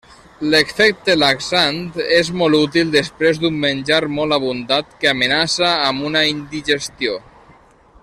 L'efecte laxant és molt útil després d'un menjar molt abundant que amenaça amb una indigestió.